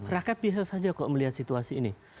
rakyat biasa saja kok melihat situasi ini